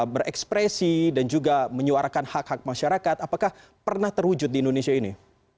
berekspresi dan juga menyuarakan hak hak masyarakat apakah pernah terwujud di indonesia ini